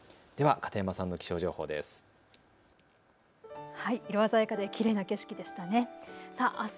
片山さんの気象情報です。